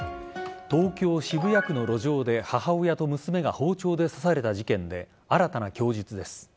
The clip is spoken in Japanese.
東京・渋谷区の路上で母親と娘が包丁で刺された事件で新たな供述です。